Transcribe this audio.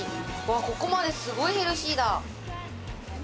ここまで、すごいヘルシーだ。